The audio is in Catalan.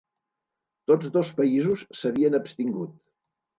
Tots dos països s'havien abstingut.